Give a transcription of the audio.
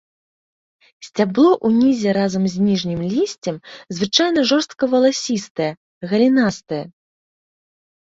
Сцябло ўнізе разам з ніжнім лісцем звычайна жорстка-валасістае, галінастае.